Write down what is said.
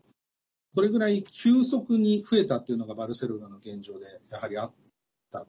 それぐらい急速に増えたというのがバルセロナの現状でやはり、あったと。